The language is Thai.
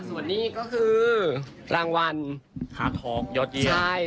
ส่วนนี้ก็คือรางวัลขาทองยอดเยี่ยม